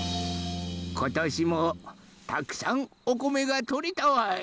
ことしもたくさんおこめがとれたわい。